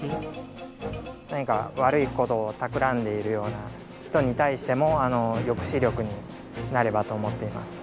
何か悪い事を企んでいるような人に対しても抑止力になればと思っています。